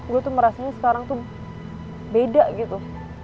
gue tuh ngerasanya sekarang tuh beda gitu